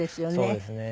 そうですね。